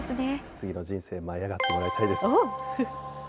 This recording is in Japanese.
次の人生も舞い上がってもらいたいです。